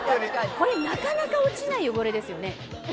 これなかなか落ちない汚れですよね。